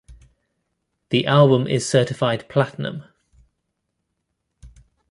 The album is certified platinum.